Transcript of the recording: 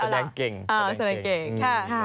แสดงเก่ง